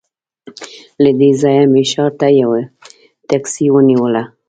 له دې ځایه مې ښار ته یوه ټکسي ونیوله.